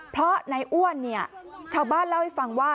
เพราะในอ้วนเนี่ยชาวบ้านเล่าให้ฟังว่า